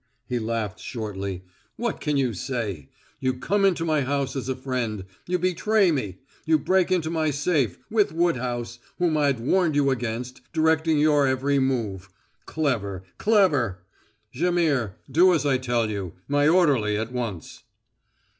He laughed shortly. "What can you say? You come into my house as a friend you betray me you break into my safe with Woodhouse, whom I'd warned you against, directing your every move. Clever clever! Jaimihr, do as I tell you. My orderly at once!"